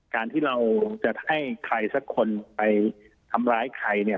การที่เราจะให้ใครสักคนไปทำร้ายใครเนี่ย